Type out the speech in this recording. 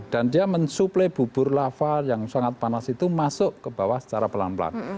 dan dia mensuplai bubur lava yang sangat panas itu masuk ke bawah secara pelan pelan